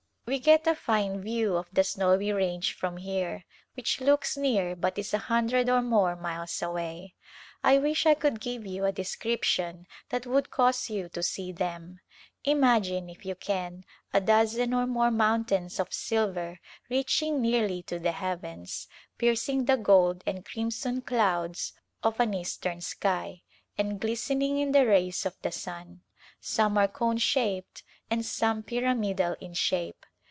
We get a fine view of the Snowy Range from here which looks near but is a hundred or more miles away. I wish I could give you a description that would cause you to see them. Imagine, if you can, a dozen or more mountains of silver reaching nearly to the heavens, piercing the gold and crimson clouds of an Eastern sky, and glistening in the rays of the sun ; some are cone shaped and some pyramidal in shape.